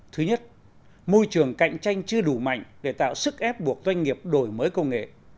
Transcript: thứ nhất môi trường cạnh tranh chưa đủ mạnh để tạo sức ép buộc doanh nghiệp đổi mới công nghệ